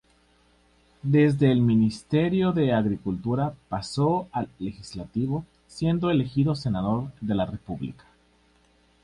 Desde el ministerio de Agricultura pasó al legislativo, siendo elegido senador de la república.